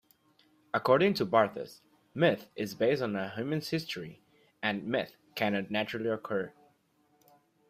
According to Barthes, myth is based on humans' history, and myth cannot naturally occur.